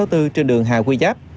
trên đường hà huy giáp